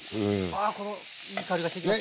ああいい香りがしてきました。